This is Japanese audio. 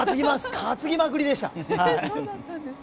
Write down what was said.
かつぎまくりでした。